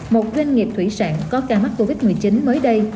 một doanh nghiệp thủy sản có ca mắc covid một mươi chín mới đây